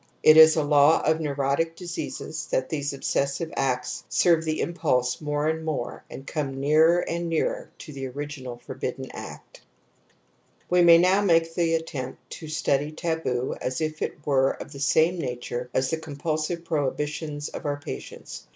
It is a law of neurotic diseases that these obses r f 52 TOTEM AND TABOO sive acts serve the impulse more and more and come nearer and nearer to the original and for bidden act. '^ We may now make the s^ttempi to study taboo as if it were of the same nature as the com pulsive prohibitions of our patients.